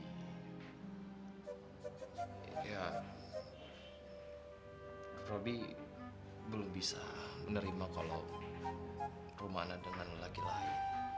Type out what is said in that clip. ya robi belum bisa menerima kalau rumana dengan laki lain